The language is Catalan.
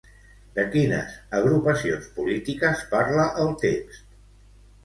De quines agrupacions polítiques parla el text?